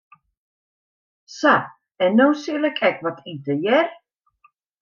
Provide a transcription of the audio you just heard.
Sa, en no sil ik ek wat ite, hear.